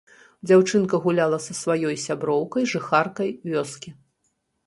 Дзяўчынка гуляла са сваёй сяброўкай, жыхаркай вёскі.